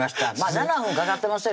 ７分かかってますよ